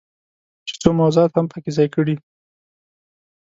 چې څو موضوعات هم پکې ځای کړي.